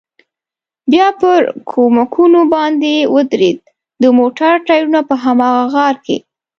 بیا پر کومکونو باندې ودرېد، د موټر ټایرونه په هماغه غار کې.